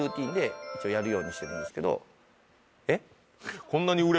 一応やるようにしてるんすけどえっ？